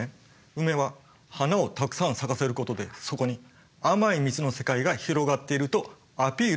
ウメは花をたくさん咲かせることでそこに甘い蜜の世界が広がってるとアピールしているんです。